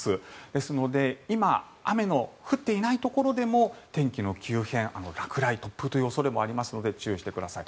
ですので今、雨の降っていないところでも天気の急変、落雷、突風という恐れもありますので注意をしてください。